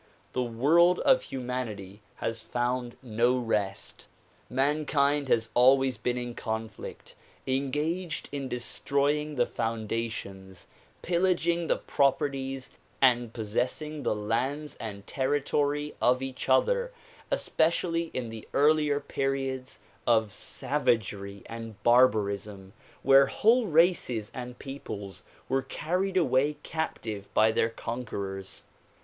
The world of humanity has found no rest. Man kind has always been in conflict, engaged in destroying the founda tions, pillaging the properties and possessing the lands and terri tory of each other, especially in the earlier periods of savagery and barbarism where whole races and peoples were carried away captive by their conquerors.